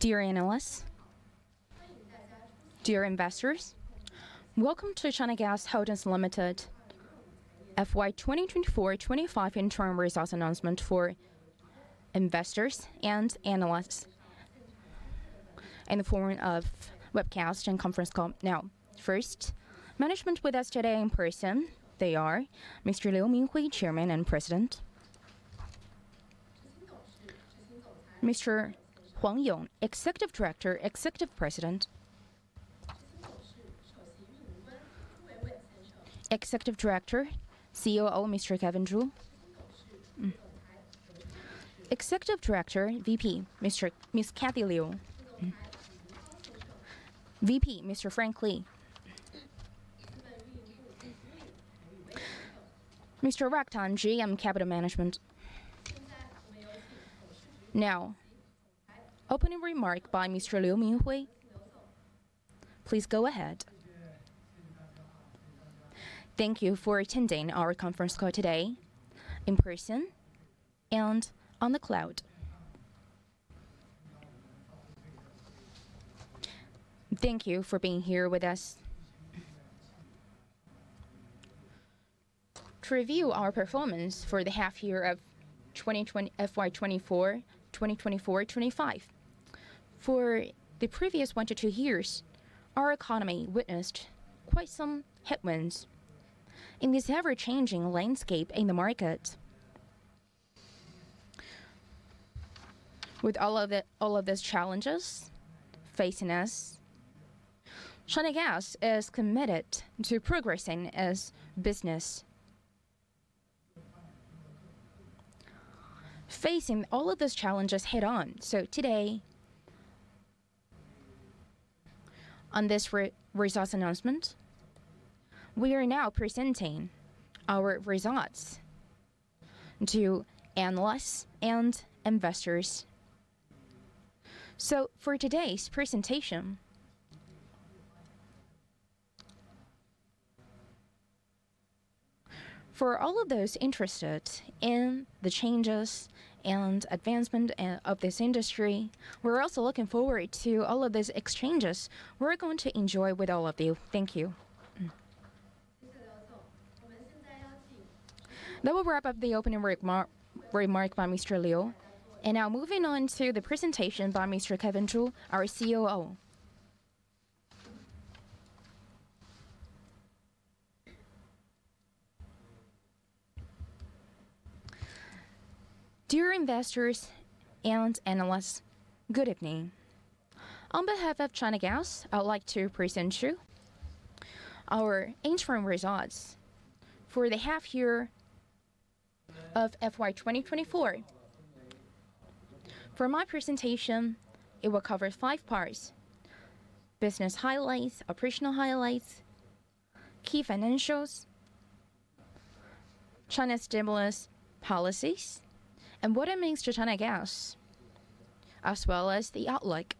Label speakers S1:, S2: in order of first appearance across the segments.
S1: Dear analysts, dear investors, welcome to China Gas Holdings Limited FY 2024-2025 interim results announcement for investors and analysts in the form of webcast and conference call. Now, first, management with us today in person, they are Mr. Liu Ming Hui, Chairman and President. Mr. Huang Yong, Executive Director, Executive President. Executive Director, COO, Mr. Zhu Weiwei. Executive Director, VP, Ms. Liu Chang. VP, Mr. Li Ching. Mr. Rock Tan, GM Capital Management. Now, opening remark by Mr. Liu Ming Hui. Please go ahead.
S2: Thank you for attending our conference call today in person and on the cloud. Thank you for being here with us. To review our performance for the half year of FY 2024-2025. For the previous one to two years, our economy witnessed quite some headwinds in this ever-changing landscape in the market. With all of these challenges facing us, China Gas is committed to progressing as business, facing all of these challenges head-on. Today, on this results announcement, we are now presenting our results to analysts and investors. For today's presentation, for all of those interested in the changes and advancement of this industry, we are also looking forward to all of these exchanges we are going to enjoy with all of you. Thank you.
S1: That will wrap up the opening remark by Mr. Liu, and now moving on to the presentation by Mr. Zhu Weiwei, our COO.
S3: Dear investors and analysts, good evening. On behalf of China Gas, I would like to present you our interim results for the half year of FY 2024. For my presentation, it will cover five parts: business highlights, operational highlights, key financials, China stimulus policies, and what it means to China Gas, as well as the outlook.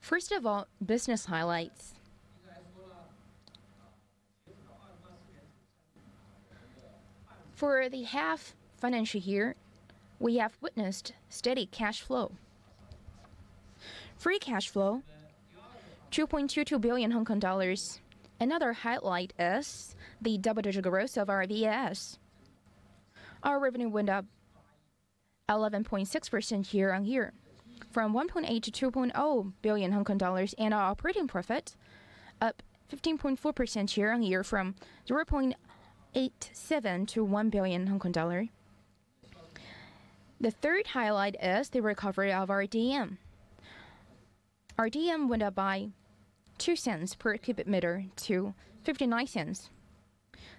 S3: First of all, business highlights. For the half financial year, we have witnessed steady cash flow. Free cash flow, 2.22 billion Hong Kong dollars. Another highlight is the double-digit growth of our VAS. Our revenue went up 11.6% year-over-year from 1.8 billion-2.0 billion Hong Kong dollars. Our operating profit up 15.4% year-over-year from 0.87 billion-1 billion Hong Kong dollar. The third highlight is the recovery of our dollar margin. Our dollar margin went up by 0.02 per cubic meter to 0.59 per cubic meter.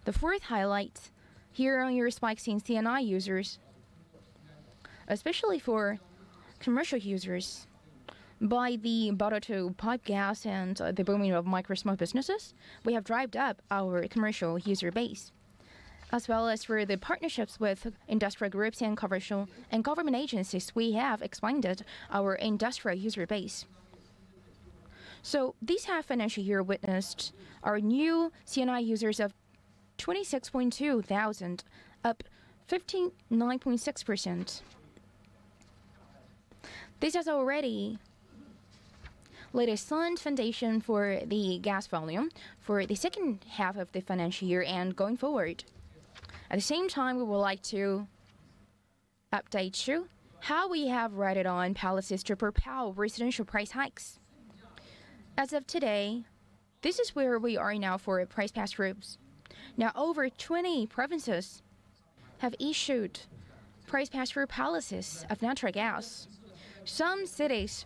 S3: The fourth highlight, year-over-year spike in C&I users, especially for commercial users. By the bottled to piped gas and the booming of micro small businesses, we have driven up our commercial user base. As well as for the partnerships with industrial groups and commercial and government agencies, we have expanded our industrial user base. This half financial year witnessed our new C&I users of 26,200, up 9.6%. This has already laid a solid foundation for the gas volume for the second half of the financial year and going forward. At the same time, we would like to update you how we have rode on policies to propel residential price hikes. As of today, this is where we are now for price pass-throughs. Over 20 provinces have issued price pass-through policies of natural gas. Some cities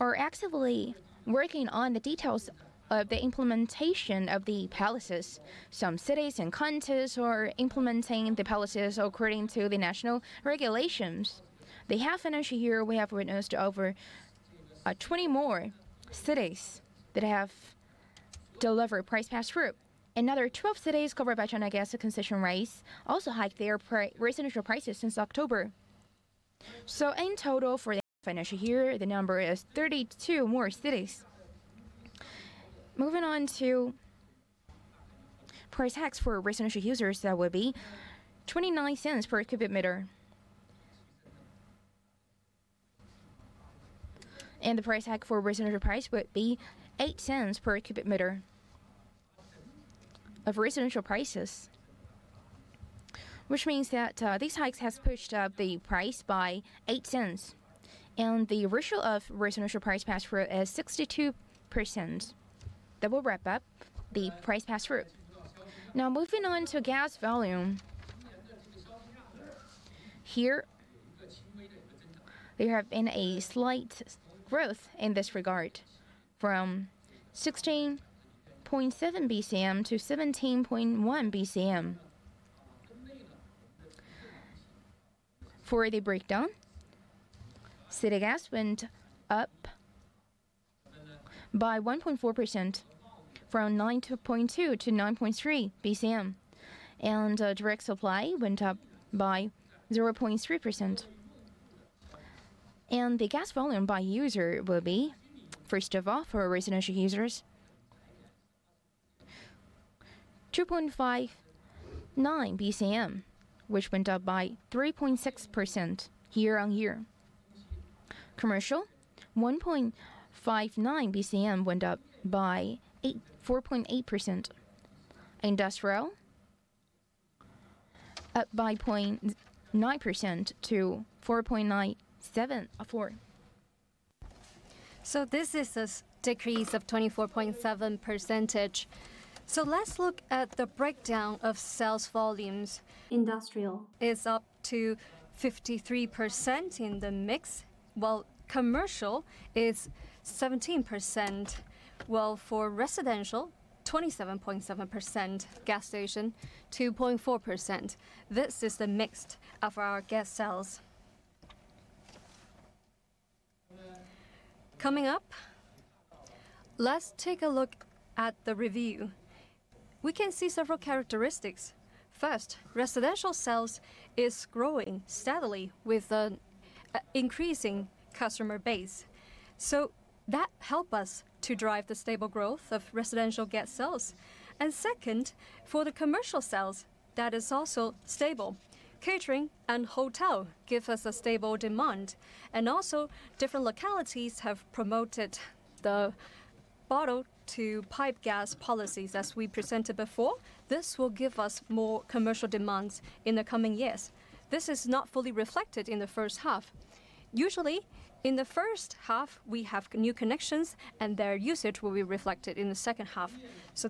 S3: are actively working on the details of the implementation of the policies. Some cities and counties are implementing the policies according to the national regulations. The half financial year, we have witnessed over 20 more cities that have delivered price pass-through. Another 12 cities covered by China Gas concession rates also hiked their residential prices since October. In total, for the financial year, the number is 32 more cities. Price hikes for residential users, that would be 0.29 per cubic meter. The price hike for residential price would be 0.08 per cubic meter of residential prices, which means that these hikes has pushed up the price by 0.08 and the ratio of residential price pass-through is 62%. That will wrap up the price pass-through. Now, moving on to gas volume. Here, we have been a slight growth in this regard from 16.7 BCM to 17.1 BCM. For the breakdown, city gas went up by 1.4% from 9.2 BCM-9.3 BCM, and direct supply went up by 0.3%. The gas volume by user will be, first of all, for residential users, 2.59 BCM, which went up by 3.6% year-on-year. Commercial, 1.59 BCM went up by 4.8%. Industrial, up by 0.9% to 4.974. This is a decrease of 24.7%. Let's look at the breakdown of sales volumes. Industrial is up to 53% in the mix, while commercial is 17%. While for residential, 27.7%. Gas station, 2.4%. This is the mix of our gas sales. Coming up, let's take a look at the review. We can see several characteristics. First, residential sales is growing steadily with increasing customer base. That help us to drive the stable growth of residential gas sales. Second, for the commercial sales, that is also stable. Catering and hotel give us a stable demand. Different localities have promoted the bottled to piped gas policies, as we presented before. This will give us more commercial demands in the coming years. This is not fully reflected in the first half. Usually, in the first half, we have new connections, and their usage will be reflected in the second half.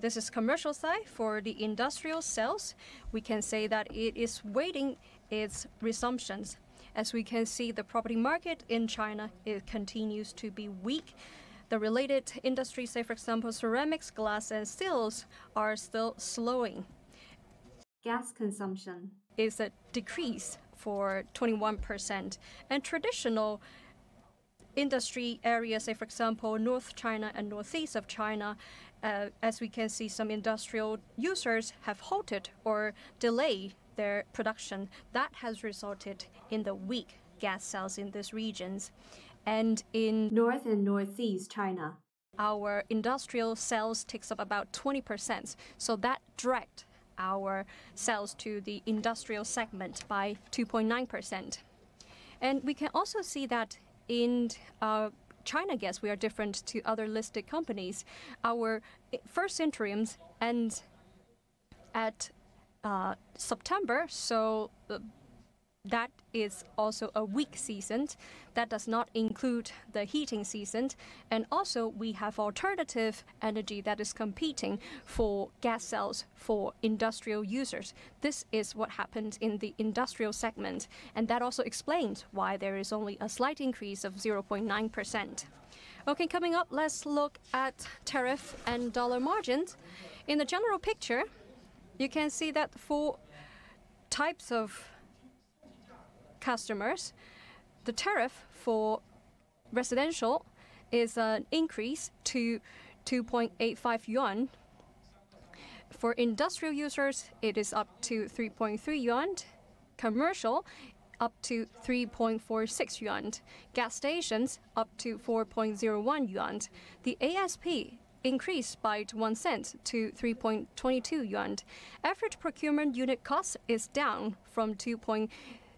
S3: This is commercial side. For the industrial sales, we can say that it is waiting its resumptions. As we can see, the property market in China, it continues to be weak. The related industry, say for example, ceramics, glass, and steels are still slowing. Gas consumption is at decrease for 21%. Traditional industry areas, say for example, North China and Northeast of China, as we can see, some industrial users have halted or delayed their production. That has resulted in the weak gas sales in these regions. In North and Northeast China, our industrial sales takes up about 20%. That dragged our sales to the industrial segment by 2.9%. We can also see that in China Gas, we are different to other listed companies. Our first interims end at September, that is also a weak season. That does not include the heating season. Also, we have alternative energy that is competing for gas sales for industrial users. This is what happened in the industrial segment, and that also explains why there is only a slight increase of 0.9%. Okay. Coming up, let's look at tariff and dollar margins. In the general picture, you can see that the four types of customers, the tariff for residential is increased to 2.85 yuan. For industrial users, it is up to 3.3 yuan. Commercial, up to 3.46 yuan. Gas stations, up to 4.01 yuan. The ASP increased by 0.01 to 3.22 yuan. Average procurement unit cost is down from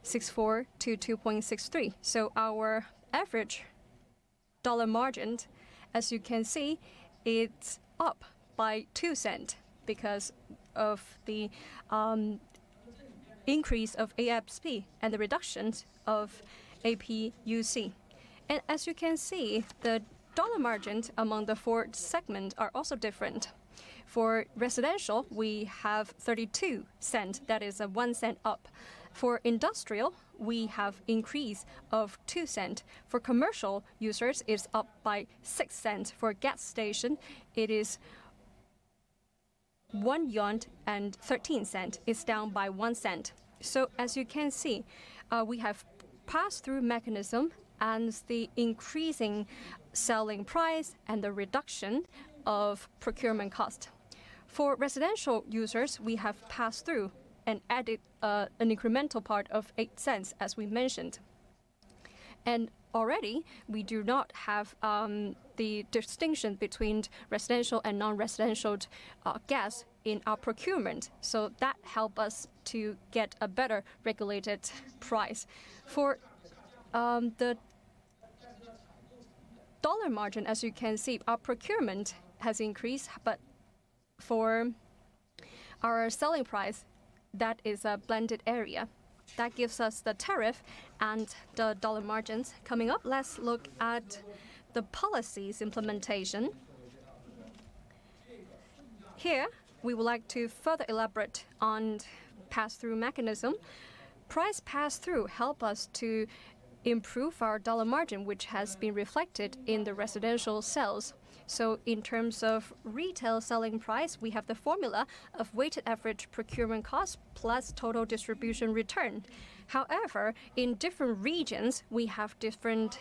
S3: 2.64 to 2.63. Our average dollar margin, as you can see, it's up by 0.02 because of the increase of ASP and the reduction of APUC. As you can see, the dollar margins among the four segment are also different. For residential, we have 0.32. That is 0.01 up. For industrial, we have increase of 0.02. For commercial users, it's up by 0.06. For gas station, it is 1.13 yuan. It's down by 0.01. As you can see, we have pass-through mechanism and the increasing selling price and the reduction of procurement cost. For residential users, we have pass-through and added an incremental part of 0.08, as we mentioned. Already we do not have the distinction between residential and non-residential gas in our procurement. That help us to get a better regulated price. For the dollar margin, as you can see, our procurement has increased, but for our selling price, that is a blended area that gives us the tariff and the dollar margins coming up. Let's look at the policies implementation. Here, we would like to further elaborate on pass-through mechanism. Price pass-through help us to improve our dollar margin, which has been reflected in the residential sales. In terms of retail selling price, we have the formula of weighted average procurement cost plus total distribution return. However, in different regions, we have different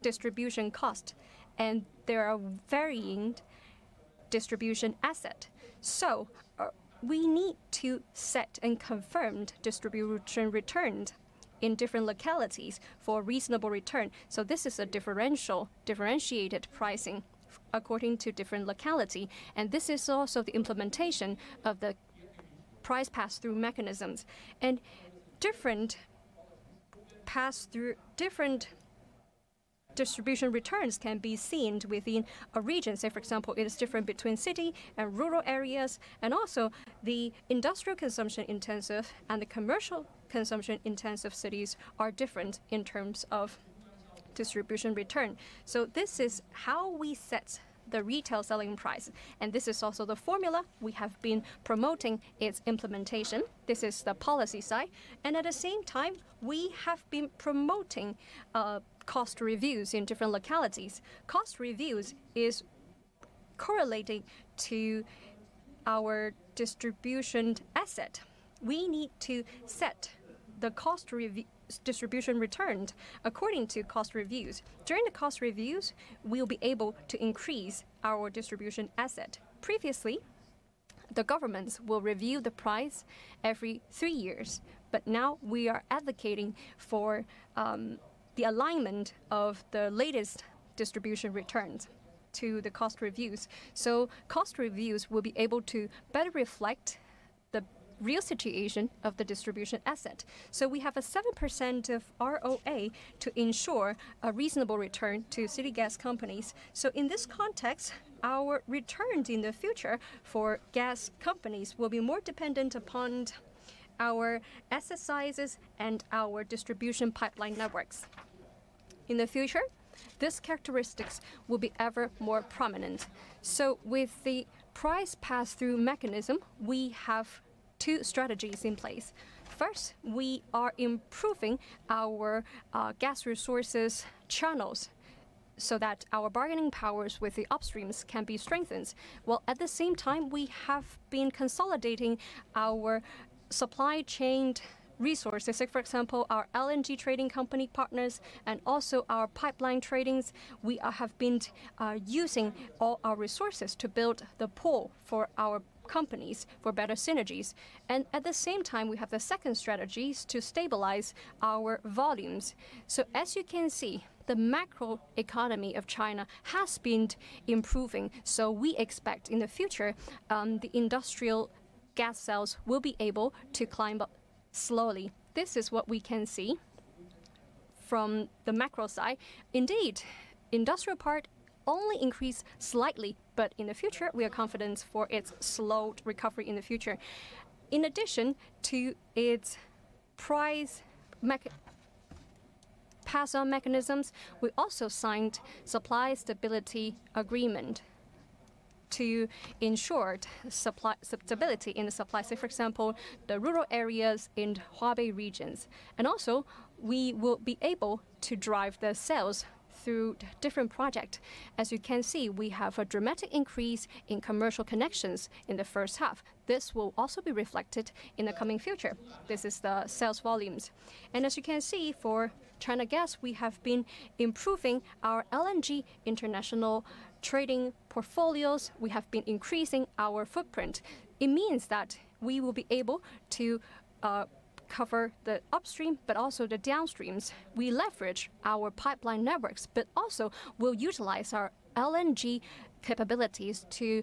S3: distribution cost, and there are varying distribution asset. We need to set and confirmed distribution returns in different localities for reasonable return. This is a differential, differentiated pricing according to different locality, and this is also the implementation of the price pass-through mechanisms. Different distribution returns can be seen within a region. Say, for example, it is different between city and rural areas, and also the industrial consumption intensive and the commercial consumption intensive cities are different in terms of distribution return. This is how we set the retail selling price, and this is also the formula we have been promoting its implementation. This is the policy side and at the same time, we have been promoting cost reviews in different localities. Cost reviews is correlating to our distribution asset. We need to set the distribution returns according to cost reviews. During the cost reviews, we'll be able to increase our distribution asset. Previously, the governments will review the price every three years, but now we are advocating for the alignment of the latest distribution returns to the cost reviews. Cost reviews will be able to better reflect the real situation of the distribution asset. We have a 7% of ROA to ensure a reasonable return to city gas companies. In this context, our returns in the future for gas companies will be more dependent upon our exercises and our distribution pipeline networks. In the future, these characteristics will be ever more prominent. With the price pass-through mechanism, we have two strategies in place. First, we are improving our gas resources channels so that our bargaining powers with the upstreams can be strengthened. While at the same time, we have been consolidating our supply chain resources, like for example, our LNG trading company partners and also our pipeline tradings. We have been using all our resources to build the pool for our companies for better synergies, and at the same time we have the second strategies to stabilize our volumes. As you can see, the macro economy of China has been improving, so we expect in the future, the industrial gas sales will be able to climb up slowly. This is what we can see from the macro side. Indeed, industrial part only increased slightly, but in the future, we are confident for its slow recovery in the future. In addition to its price pass-on mechanisms, we also signed supply stability agreement to ensure supply stability in the supply. Say for example, the rural areas in Hebei regions, and also we will be able to drive the sales through different project. As you can see, we have a dramatic increase in commercial connections in the first half. This will also be reflected in the coming future. This is the sales volumes. As you can see, for China Gas, we have been improving our LNG international trading portfolios. We have been increasing our footprint. It means that we will be able to cover the upstream but also the downstreams. We leverage our pipeline networks, also we'll utilize our LNG capabilities to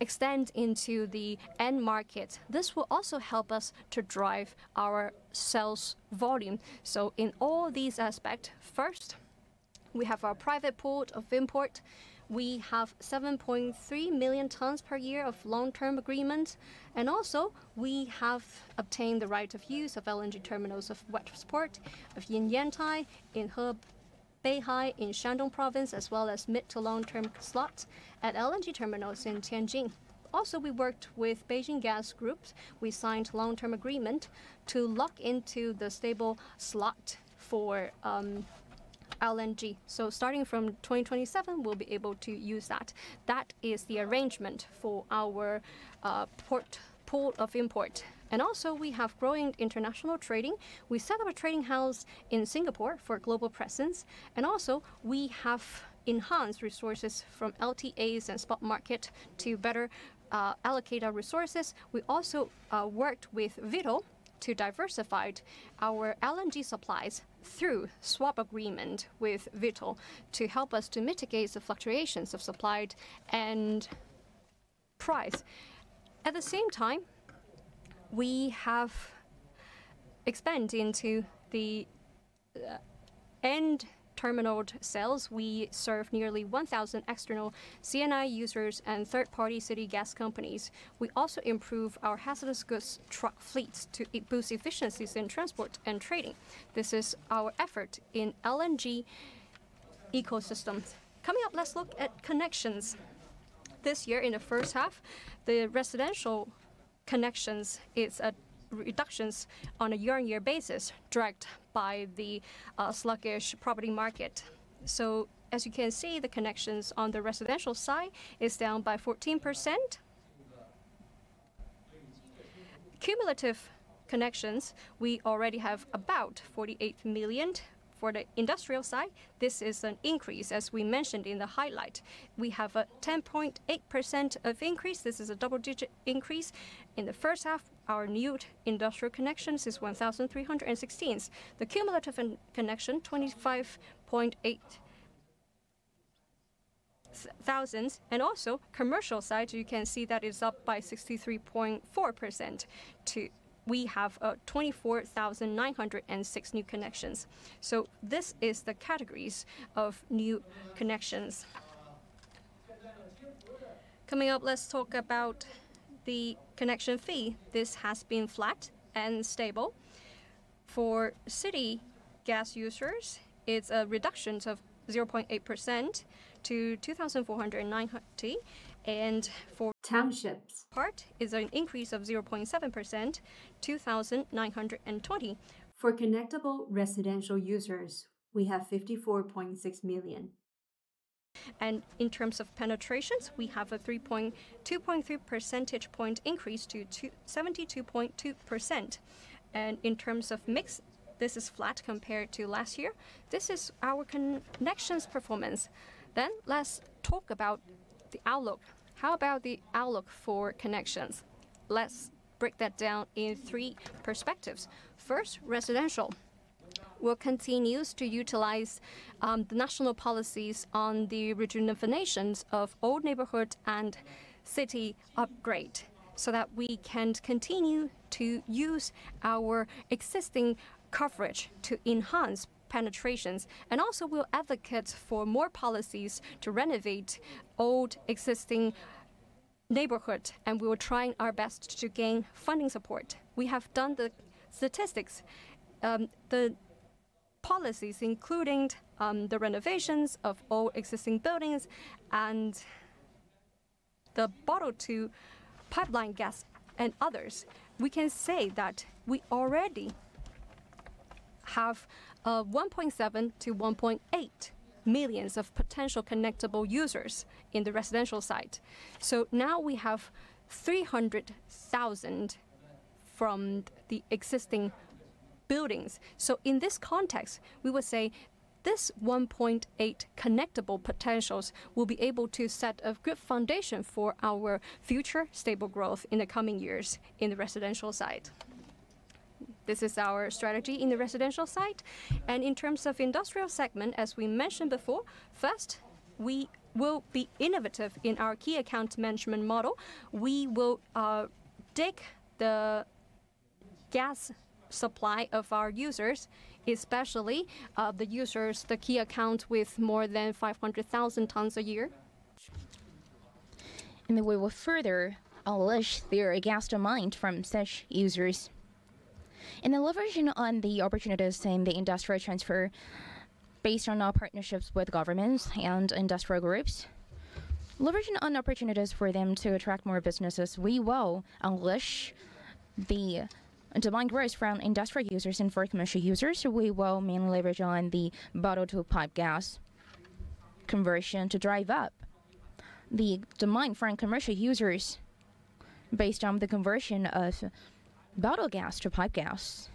S3: extend into the end market. This will also help us to drive our sales volume. In all these aspect, first, we have our private port of import. We have 7.3 million tons per year of long-term agreement, also we have obtained the right of use of LNG terminals of West Port of Yantai and Beihai in Shandong Province, as well as mid to long-term slots at LNG terminals in Tianjin. We worked with Beijing Gas Group. We signed long-term agreement to lock into the stable slot for LNG. Starting from 2027, we'll be able to use that. That is the arrangement for our port of import. We have growing international trading. We set up a trading house in Singapore for global presence. Also, we have enhanced resources from LTAs and spot market to better allocate our resources. We also worked with Vitol. To diversify our LNG supplies through swap agreement with Vitol to help us to mitigate the fluctuations of supply and price. At the same time, we have expanded into the end terminal sales. We serve nearly 1,000 external C&I users and third-party city gas companies. We also improved our hazardous goods truck fleets to boost efficiencies in transport and trading. This is our effort in LNG ecosystems. Coming up, let's look at connections this year. In the first half, the residential connections were at reductions on a year-on-year basis, dragged by the sluggish property market. As you can see, the connections on the residential side are down by 14%. Cumulative connections, we already have about 48 million. For the industrial side, this is an increase, as we mentioned in the highlight. We have a 10.8% of increase. This is a double-digit increase. In the first half, our new industrial connections is 1,316. The cumulative connection, 25,800. Also commercial side, you can see that is up by 63.4%. We have 24,906 new connections. This is the categories of new connections. Coming up, let's talk about the connection fee. This has been flat and stable. For city gas users, it's a reduction of 0.8% to 2,490. For townships part is an increase of 0.7%, 2,920. For connectable residential users, we have 54.6 million. In terms of penetrations, we have a 2.3 percentage point increase to 72.2%. In terms of mix, this is flat compared to last year. This is our connections performance. Let's talk about the outlook. How about the outlook for connections? Let's break that down in three perspectives. First, residential. We'll continues to utilize the national policies on the renovation of old neighborhood and city upgrade, so that we can continue to use our existing coverage to enhance penetrations. Also we'll advocate for more policies to renovate old existing neighborhood, and we are trying our best to gain funding support. We have done the statistics. The policies, including the renovations of all existing buildings and the bottled to piped gas and others, we can say that we already have 1.7 million to 1.8 million potential connectable users in the residential side. Now we have 300,000 from the existing buildings. In this context, we will say this 1.8 million connectable potentials will be able to set a good foundation for our future stable growth in the coming years in the residential side. This is our strategy in the residential side. In terms of industrial segment, as we mentioned before, first, we will be innovative in our key account management model. We will take the gas supply of our users, especially the users, the key account with more than 500,000 tons a year. We will further unleash their gas demand from such users. The leveraging on the opportunities in the industrial transfer based on our partnerships with governments and industrial groups. Leveraging on opportunities for them to attract more businesses, we will unleash the demand growth from industrial users and for commercial users, we will mainly leverage on the bottled to piped gas conversion to drive up the demand from commercial users based on the conversion of bottled gas to piped gas.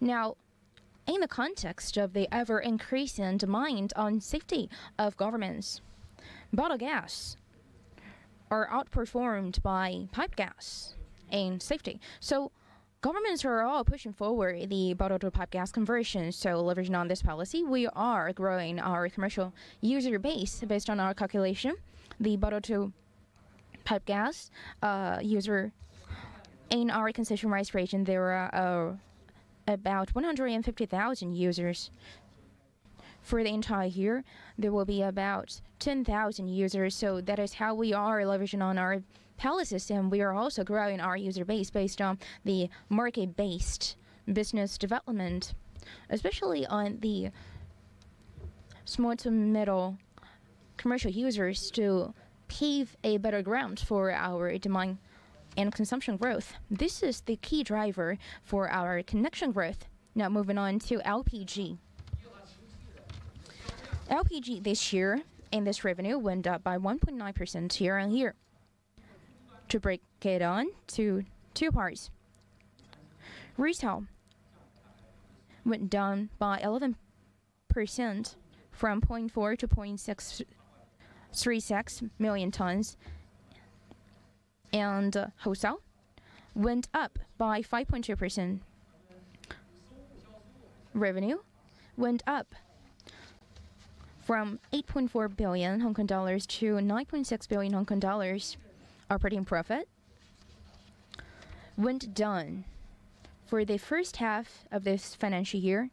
S3: In the context of the ever-increasing demand on safety of governments, bottled gas are outperformed by piped gas in safety. Governments are all pushing forward the bottled to piped gas conversion. Leveraging on this policy, we are growing our commercial user base. Based on our calculation, the bottled to piped gas user in our concession registration, there are about 150,000 users. For the entire year, there will be about 10,000 users. That is how we are leveraging on our policy. We are also growing our user base based on the market-based business development, especially on the small to middle commercial users to pave a better ground for our demand and consumption growth. This is the key driver for our connection growth. Moving on to LPG. LPG this year, this revenue went up by 1.9% year-on-year to break it into two parts. Retail. Went down by 11% from 0.4 million tons to 0.36 million tons. Wholesale went up by 5.2%. Revenue went up from 8.4 billion Hong Kong dollars to 9.6 billion Hong Kong dollars. Operating profit went down for the first half of this financial year.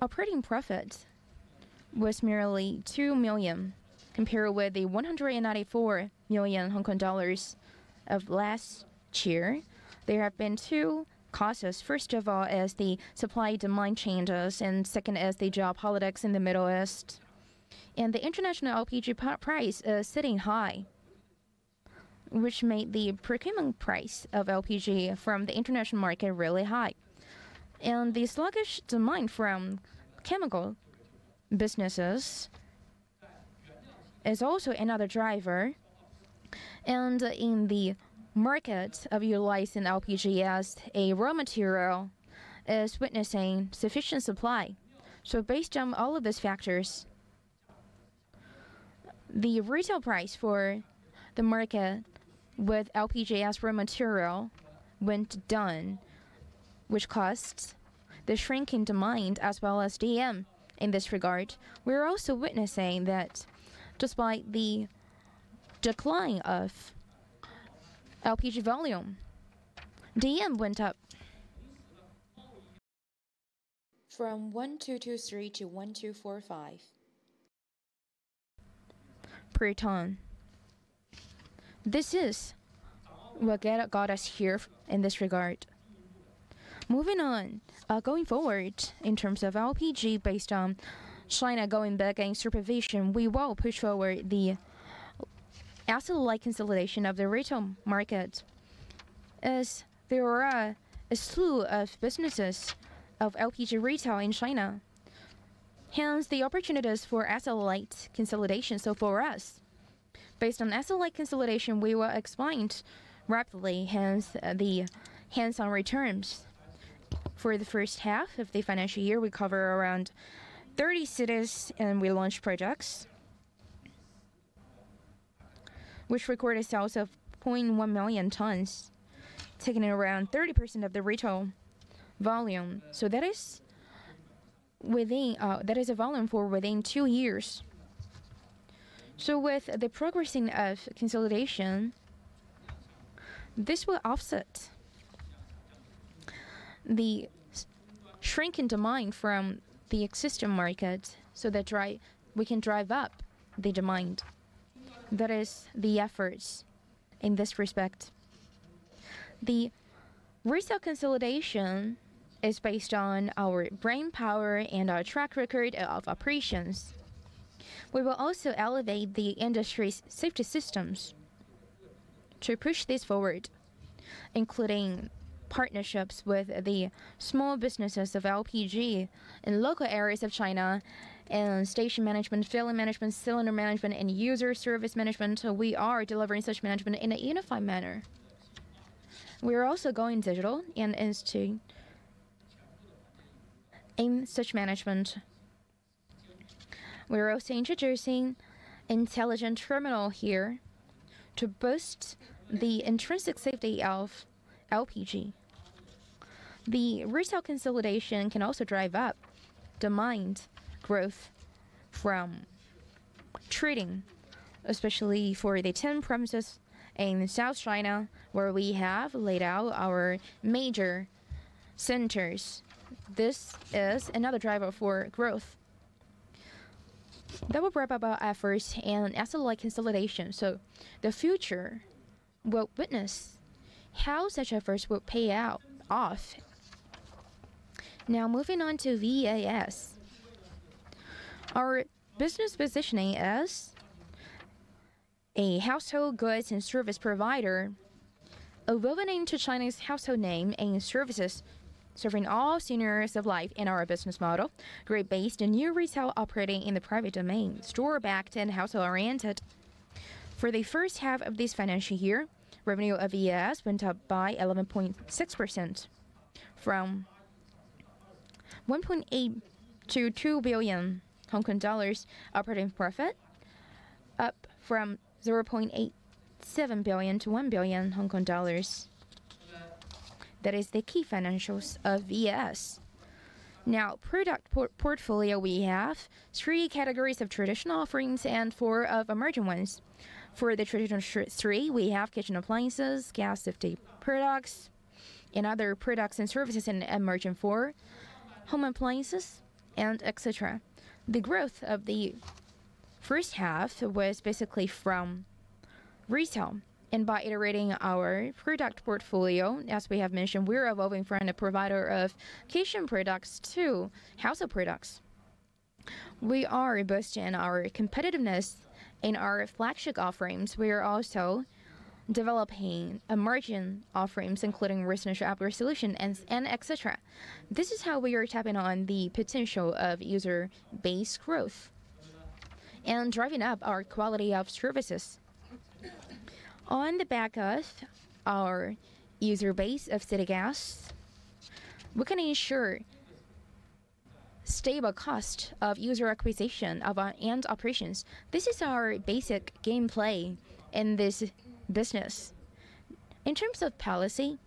S3: Operating profit was merely 2 million compared with 194 million Hong Kong dollars of last year. There have been two causes. First of all, is the supply-demand changes, and second is the geopolitics in the Middle East. The international LPG price is sitting high, which made the procurement price of LPG from the international market really high. The sluggish demand from chemical businesses is also another driver. In the market of utilizing LPG as a raw material is witnessing sufficient supply. Based on all of these factors, the retail price for the market with LPG as raw material went down, which caused the shrinking demand as well as DM in this regard. Also witnessing that despite the decline of LPG volume, DM went up from 1,223 to 1,245 per ton. This is what got us here in this regard. Moving on. Going forward, in terms of LPG based on China going big into provision, we will push forward the asset light consolidation of the retail market as there are a slew of businesses of LPG retail in China, hence the opportunities for asset light consolidation. For us, based on asset light consolidation, we will expand rapidly, hence the hands-on returns. For the first half of the financial year, we cover around 30 cities. We launched projects which recorded sales of 0.1 million tons, taking around 30% of the retail volume. That is a volume for within two years. With the progressing of consolidation, this will offset the shrinking demand from the existing market so that we can drive up the demand. That is the efforts in this respect. The retail consolidation is based on our brainpower and our track record of operations. We will also elevate the industry's safety systems to push this forward, including partnerships with the small businesses of LPG in local areas of China and station management, filling management, cylinder management, and user service management. We are delivering such management in a unified manner. We are also going digital in such management. We are also introducing intelligent terminal here to boost the intrinsic safety of LPG. The retail consolidation can also drive up demand growth from trading, especially for the 10 premises in South China where we have laid out our major centers. This is another driver for growth. That will wrap up our efforts in asset light consolidation. The future will witness how such efforts will pay off. Moving on to VAS. Our business positioning as a household goods and service provider, evolving to China's household name in services, serving all scenarios of life in our business model, growth based in new retail operating in the private domain, store-backed and household-oriented. For the first half of this financial year, revenue of VAS went up by 11.6% from 1.8 billion to 2 billion Hong Kong dollars. Operating profit up from 0.87 billion to 1 billion Hong Kong dollars. That is the key financials of VAS. Product portfolio, we have three categories of traditional offerings and four of emerging ones. The traditional three, we have kitchen appliances, gas safety products, and other products and services. In emerging four, home appliances and et cetera. The growth of the first half was basically from retail and by iterating our product portfolio. As we have mentioned, we are evolving from the provider of kitchen products to household products. We are boosting our competitiveness in our flagship offerings. We are also developing emerging offerings, including residential hardware solution and et cetera. This is how we are tapping on the potential of user-based growth and driving up our quality of services. On the back of our user base of City Gas, we can ensure stable cost of user acquisition of our end operations. This is our basic gameplay in this business. In terms of policy,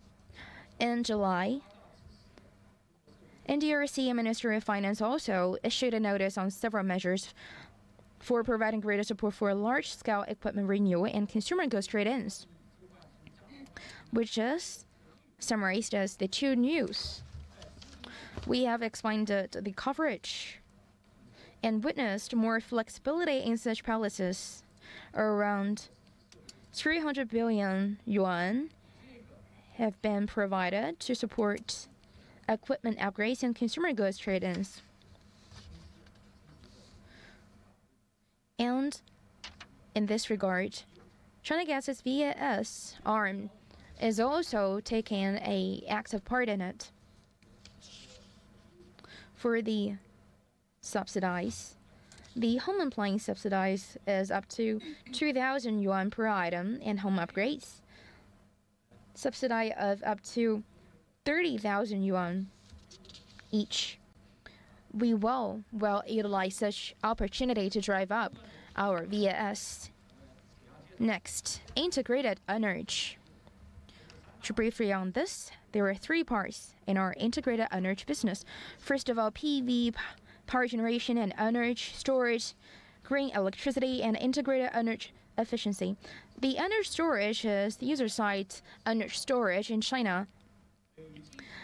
S3: in July, NDRC and Ministry of Finance also issued a notice on several measures for providing greater support for large-scale equipment renewal and consumer goods trade-ins, which is summarized as the Two New. We have expanded the coverage and witnessed more flexibility in such policies. Around 300 billion yuan have been provided to support equipment upgrades and consumer goods trade-ins. In this regard, China Gas's VAS arm is also taking a active part in it. For the subsidy, the home appliance subsidy is up to 2,000 yuan per item, and home upgrades subsidy of up to 30,000 yuan each. We will well utilize such opportunity to drive up our VAS. Next, integrated energy. To brief you on this, there are three parts in our integrated energy business. First of all, PV power generation and energy storage, green electricity, and integrated energy efficiency. The energy storage is the user site energy storage in China.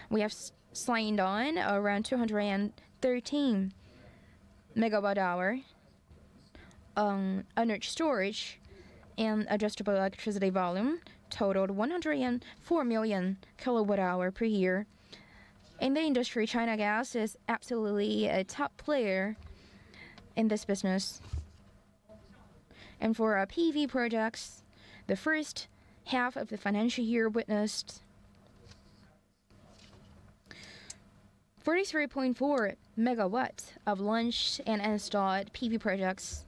S3: We have signed on around 213 MWh energy storage and adjustable electricity volume totaled 104 million kWh per year. In the industry, China Gas is absolutely a top player in this business. For our PV projects, the first half of the financial year witnessed 43.4 MW of launched and installed PV projects.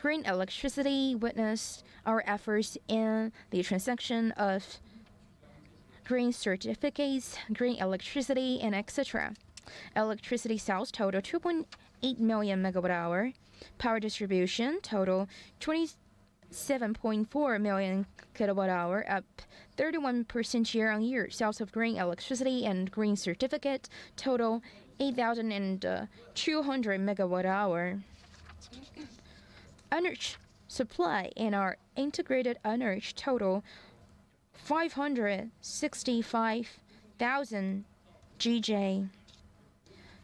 S3: Green electricity witnessed our efforts in the transaction of Green Certificates, green electricity, and et cetera. Electricity sales total 2.8 million MWh. Power distribution total 27.4 million kWh, up 31% year-on-year. Sales of green electricity and Green Certificate total 8,200 MWh. Energy supply in our integrated energy total 565,000 GJ.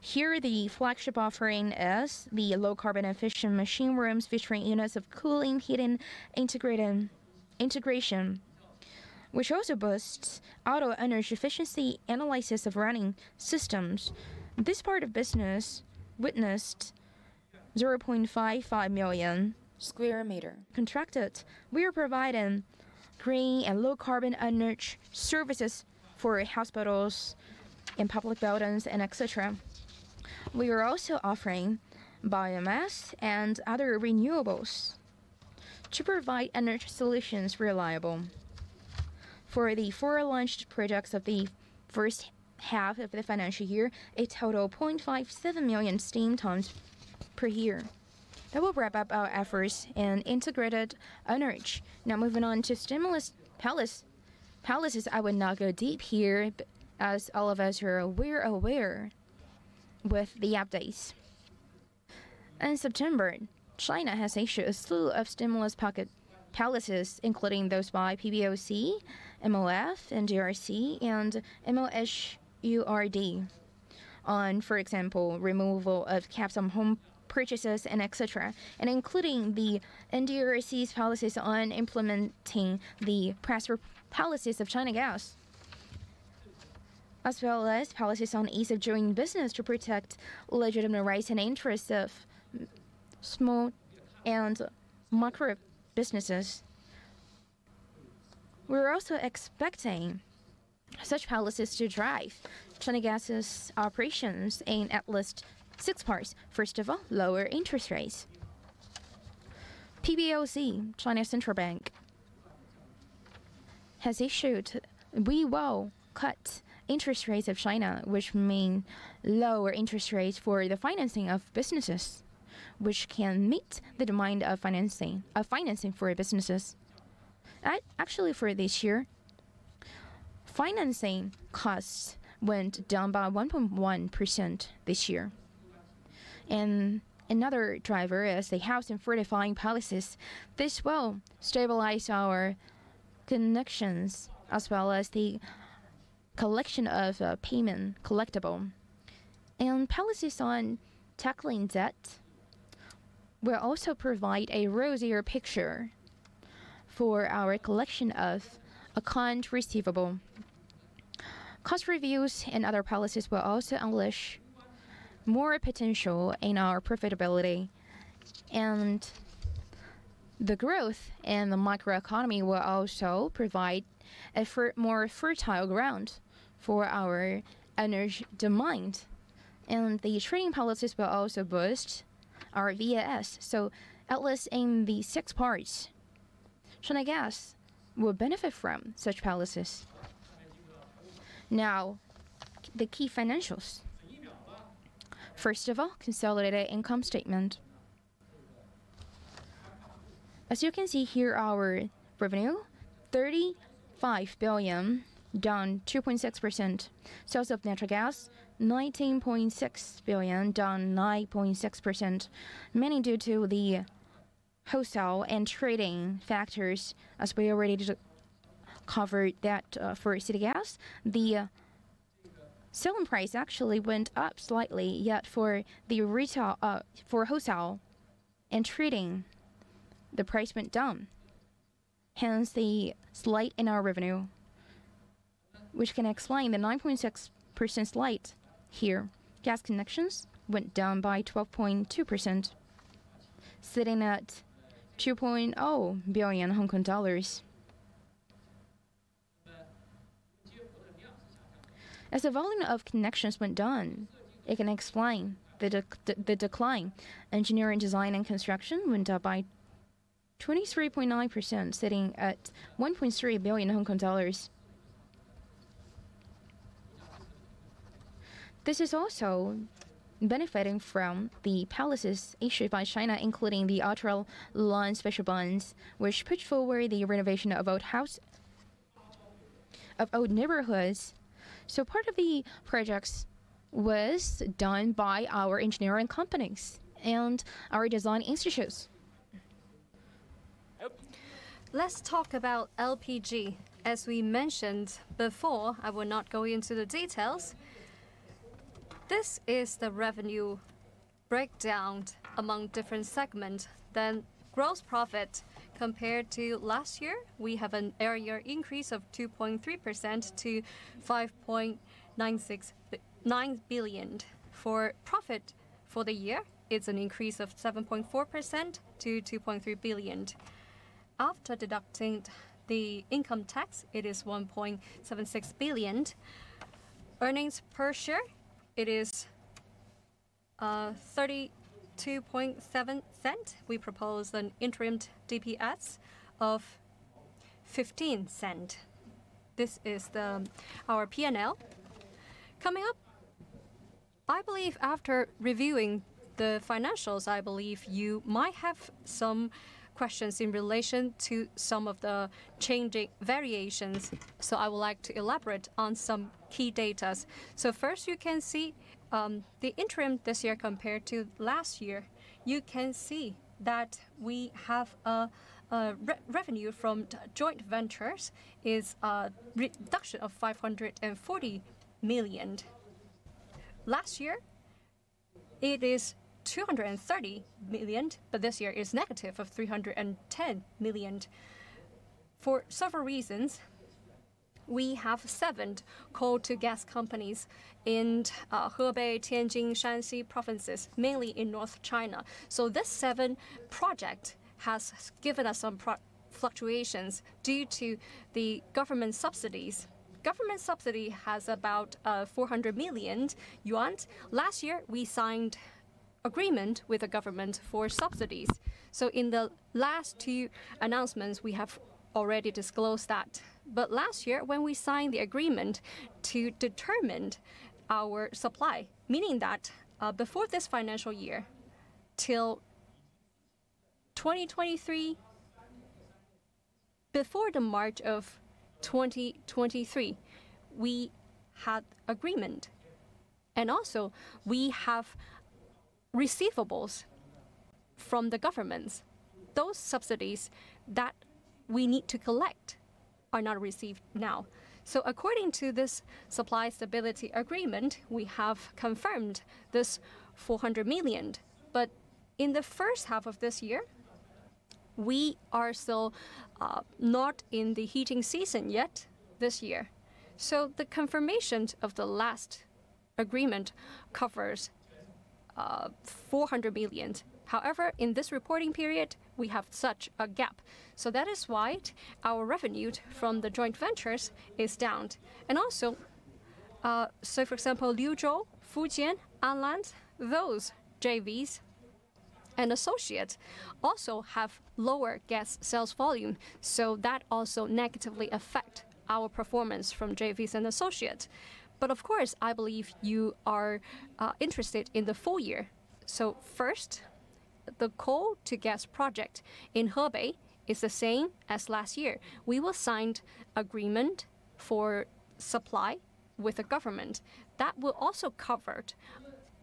S3: Here, the flagship offering is the low carbon efficient machine rooms featuring units of cooling, heating integrated, integration, which also boosts auto energy efficiency analysis of running systems. This part of business witnessed 0.55 million sq m contracted. We are providing green and low carbon energy services for hospitals and public buildings and et cetera. We are also offering biomass and other renewables to provide energy solutions reliable. For the four launched projects of the first half of the financial year, a total 0.57 million steam tons per year. That will wrap up our efforts in integrated energy. Now moving on to stimulus policies, I will now go deep here, as all of us are aware with the updates. In September, China has issued a slew of stimulus policies, including those by PBoC, MOF, NDRC, and MOHURD on, for example, removal of caps on home purchases and et cetera, and including the NDRC's policies on implementing the press policies of China Gas, as well as policies on ease of doing business to protect legitimate rights and interests of small and micro businesses. We're also expecting such policies to drive China Gas' operations in at least six parts. First of all, lower interest rates. PBoC, China Central Bank, has issued we will cut interest rates of China, which mean lower interest rates for the financing of businesses, which can meet the demand of financing for businesses. Actually, for this year, financing costs went down by 1.1% this year. Another driver is the house and fortifying houses. This will stabilize our connections as well as the collection of payment collectible. Policies on tackling debt will also provide a rosier picture for our collection of accounts receivable. Cost reviews and other policies will also unleash more potential in our profitability. The growth in the macroeconomy will also provide a more fertile ground for our energy demand. The trading policies will also boost our VAS. At least in the six parts, China Gas will benefit from such policies. Now, the key financials. First of all, consolidated income statement. As you can see here, our revenue, 35 billion, down 2.6%. Sales of natural gas, 19.6 billion, down 9.6%, mainly due to the wholesale and trading factors as we already covered that, for city gas. The selling price actually went up slightly, yet for the retail, for wholesale and trading, the price went down, hence the slight in our revenue, which can explain the 9.6% slight here. Gas connections went down by 12.2%, sitting at 2.0 billion Hong Kong dollars. As the volume of connections went down, it can explain the decline. Engineering, design and construction went down by 23.9%, sitting at 1.3 billion Hong Kong dollars. This is also benefiting from the policies issued by China, including the ultra-long special treasury bonds, which push forward the renovation of old neighborhoods. So part of the projects was done by our engineering companies and our design institutes. Let's talk about LPG. As we mentioned before, I will not go into the details. This is the revenue breakdown among different segment. Gross profit compared to last year, we have an annual increase of 2.3% to 5.969 billion. For profit for the year, it's an increase of 7.4% to 2.3 billion. After deducting the income tax, it is 1.76 billion. Earnings per share, it is 0.327. We propose an interim DPS of 0.15. This is our P&L. Coming up, I believe after reviewing the financials, I believe you might have some questions in relation to some of the changing variations, so I would like to elaborate on some key data. First you can see, the interim this year compared to last year, you can see that we have revenue from joint ventures is reduction of 540 million. Last year, it is 230 million, this year is -310 million. For several reasons, we have seven coal-to-gas companies in Hebei, Tianjin, Shanxi provinces, mainly in North China. These seven projects has given us some fluctuations due to the government subsidies. Government subsidy has about 400 million yuan. Last year, we signed agreement with the government for subsidies. In the last two announcements, we have already disclosed that. Last year, when we signed the agreement to determine our supply, meaning that, before this financial year till 2023, before the March of 2023, we had agreement. We have receivables from the governments. Those subsidies that we need to collect are not received now. According to this supply stability agreement, we have confirmed this 400 million. In the first half of this year, we are still not in the heating season yet this year. The confirmations of the last agreement covers 400 million. However, in this reporting period, we have such a gap. That is why our revenue from the joint ventures is down. Also, for example, Liuzhou, Fujian, Anlan, those JVs and associates also have lower gas sales volume, so that also negatively affect our performance from JVs and associates. Of course, I believe you are interested in the full year. First, the coal-to-gas project in Hebei is the same as last year. We will signed agreement for supply with the government. That will also covered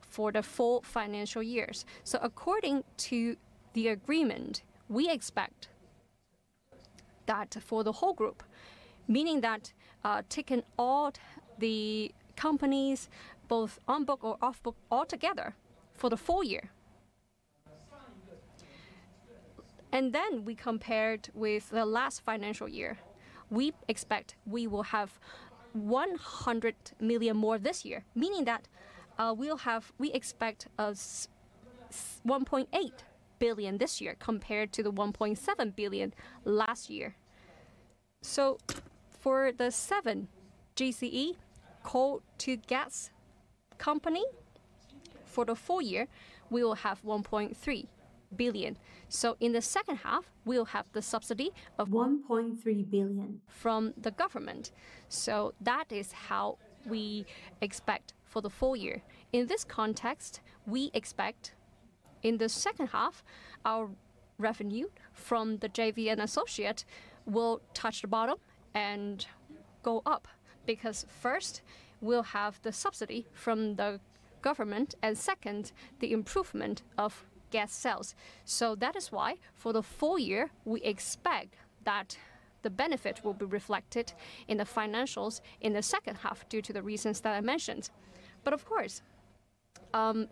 S3: for the full financial years. According to the agreement, we expect that for the whole group, meaning that taking all the companies both on-book or off-book all together for the full year. Then we compared with the last financial year. We expect we will have 100 million more this year, meaning that we expect 1.8 billion this year compared to the 1.7 billion last year. For the 7 GCE coal-to-gas company, for the full year, we will have 1.3 billion. In the second half, we will have the subsidy of 1.3 billion from the government. That is how we expect for the full year. In this context, we expect in the second half, our revenue from the JV and associate will touch the bottom and go up because first we will have the subsidy from the government and second, the improvement of gas sales. That is why for the full year we expect that the benefit will be reflected in the financials in the second half due to the reasons that I mentioned. Of course,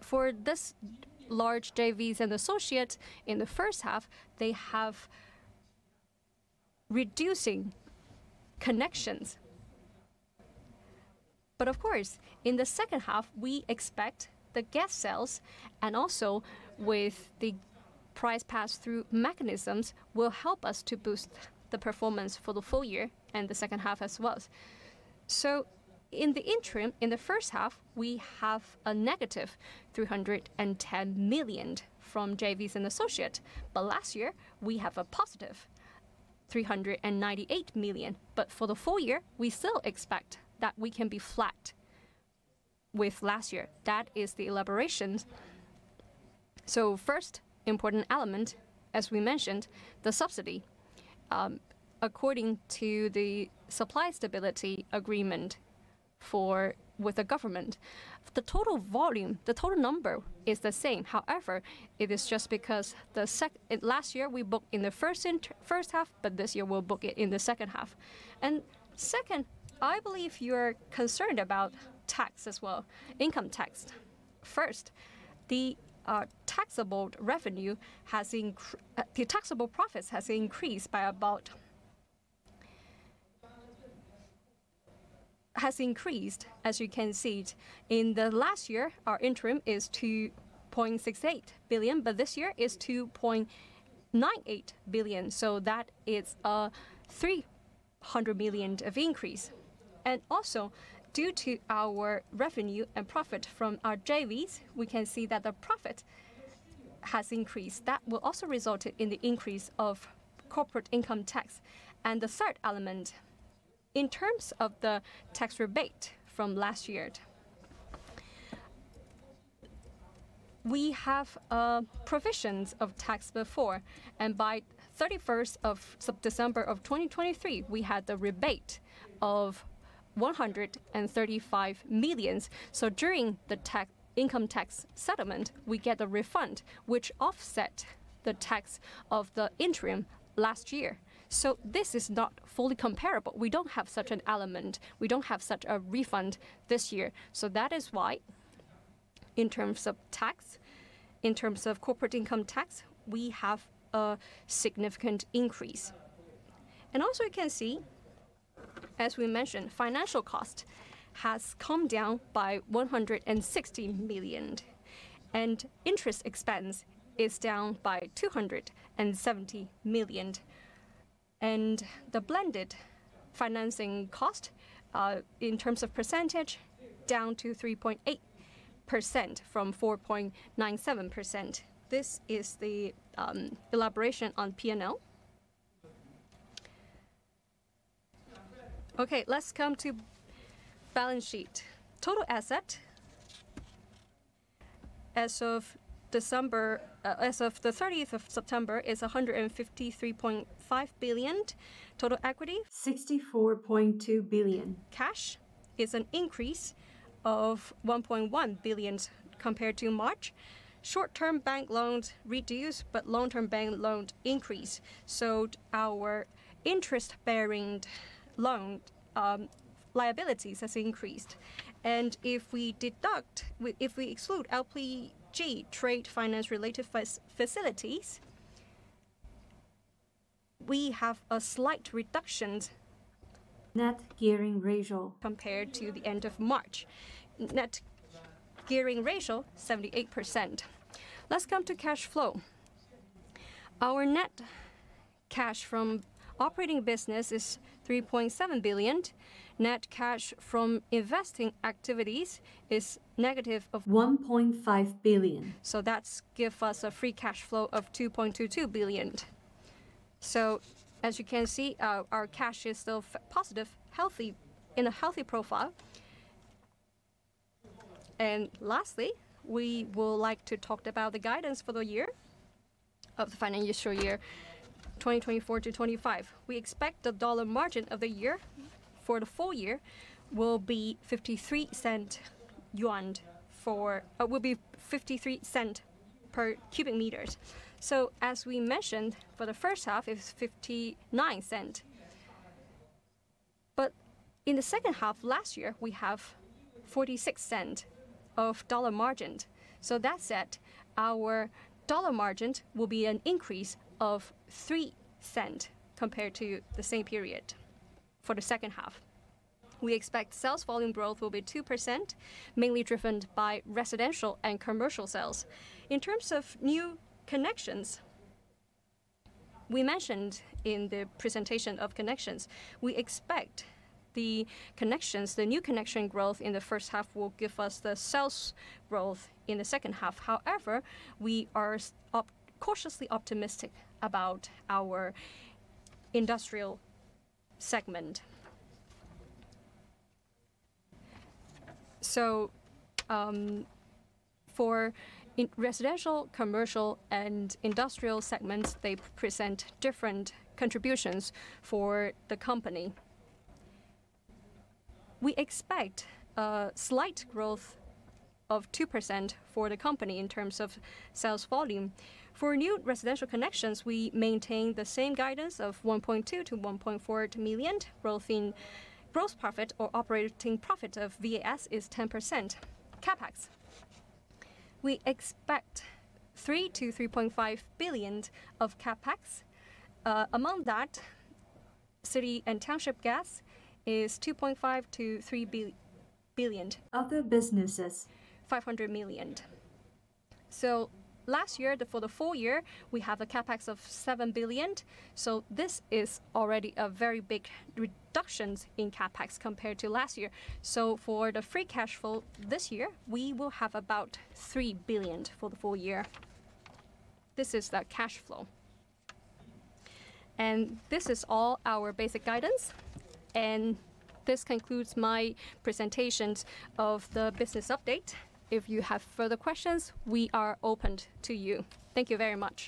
S3: for this large JVs and associates in the first half, they have reducing connections. Of course, in the second half we expect the gas sales and also with the price pass-through mechanisms will help us to boost the performance for the full year and the second half as well. In the interim, in the first half we have a -310 million from JVs and associate. Last year we have a +398 million. For the full year we still expect that we can be flat with last year. That is the elaborations. First important element, as we mentioned, the subsidy. According to the supply stability agreement with the government, the total volume, the total number is the same. However, it is just because last year we booked in the first half, but this year we'll book it in the second half. Second, I believe you're concerned about tax as well, income tax. First, the taxable profits has increased. Has increased, as you can see. In the last year our interim is 2.68 billion, but this year is 2.98 billion, that is a 300 million of increase. Due to our revenue and profit from our JVs, we can see that the profit has increased. That will also result in the increase of corporate income tax. The third element, in terms of the tax rebate from last year. We have provisions of tax before and by 31st of December 2023 we had the rebate of 135 million. During the tax, income tax settlement we get the refund which offset the tax of the interim last year. This is not fully comparable. We don't have such an element. We don't have such a refund this year. That is why in terms of tax, in terms of corporate income tax, we have a significant increase. You can see, as we mentioned, financial cost has come down by 160 million and interest expense is down by 270 million. The blended financing cost in terms of percentage down to 3.8% from 4.97%. This is the elaboration on P&L. Okay, let's come to balance sheet. Total asset as of December, as of the 30th of September is 153.5 billion. Total equity 64.2 billion. Cash is an increase of 1.1 billion compared to March. Short-term bank loans reduced but long-term bank loans increased. Our interest-bearing loan liabilities has increased and if we deduct, if we exclude LPG trade finance related facilities, we have a slight reduction compared to the end of March. Net gearing ratio 78%. Let's come to cash flow. Our net cash from operating business is 3.7 billion. Net cash from investing activities is negative 1.5 billion. That's give us a free cash flow of 2.22 billion. As you can see, our cash is still positive, healthy, in a healthy profile. Lastly, we would like to talk about the guidance for the year of the financial year 2024 to 2025. We expect the dollar margin of the year for the full year will be 0.53 per cubic meters. As we mentioned, for the first half it was 0.59. In the second half last year we have 0.46 of dollar margin. That said, our dollar margin will be an increase of 0.03 compared to the same period for the second half. We expect sales volume growth will be 2%, mainly driven by residential and commercial sales. In terms of new connections, we mentioned in the presentation of connections, we expect the new connection growth in the first half will give us the sales growth in the second half. However, we are cautiously optimistic about our industrial segment. For residential, commercial and industrial segments, they present different contributions for the company. We expect a slight growth of 2% for the company in terms of sales volume. For new residential connections, we maintain the same guidance of 1.2 trillion-1.4 trillion. Growth in gross profit or operating profit of VAS is 10%. CapEx, we expect 3 billion-3.5 billion of CapEx. Among that, city and township gas is 2.5 billion-3 billion. Other businesses, 500 million. Last year, for the full year, we have a CapEx of 7 billion. This is already a very big reductions in CapEx compared to last year. For the free cash flow this year, we will have about 3 billion for the full year. This is the cash flow. This is all our basic guidance, and this concludes my presentations of the business update. If you have further questions, we are open to you. Thank you very much.